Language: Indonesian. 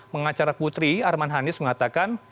pengacara putri arman hanis mengatakan